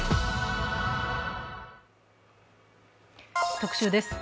特集です。